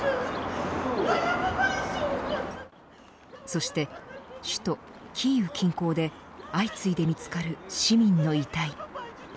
そして首都キーウ近郊で相次いで見つかる市民の遺体。